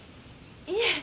いえ。